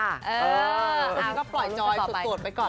คุณก็ปล่อยจอยโสดไปก่อนละครับ